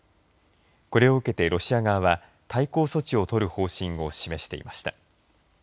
これを受けて、ロシア側は対抗措置を取る方針を示していました。